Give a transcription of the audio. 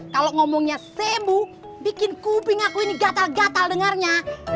kalau ngomongnya sembuh bikin kuping aku ini gatal gatal dengarnya